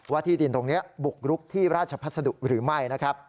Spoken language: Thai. ว่าที่ดินตรงนี้บุกรุกที่ราชภัสดุหรือไม่